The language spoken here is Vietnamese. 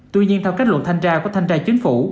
tuy nhiên theo kết luận thanh tra của thanh tra chính phủ